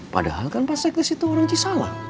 padahal kan pak sekdes itu orang cisala